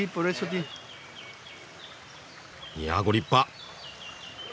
いや御立派！